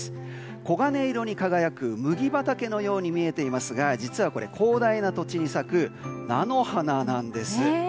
黄金色に輝く麦畑のように見えていますが実はこれ、広大な土地に咲く菜の花なんです。